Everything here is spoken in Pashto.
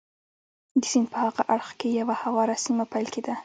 د سیند په هاغه اړخ کې یوه هواره سیمه پیل کېده.